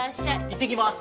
いってきます。